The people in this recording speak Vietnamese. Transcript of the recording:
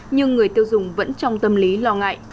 nhưng người tiêu dùng vẫn trong tâm lý lo ngại